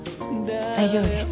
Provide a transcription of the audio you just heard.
大丈夫です。